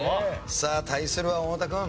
さあ対するは太田君。